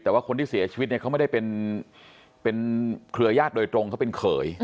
แต่ว่าคนที่เสียชีวิตเนี่ยเขาไม่ได้เป็นเครือญาติโดยตรงเขาเป็นเขย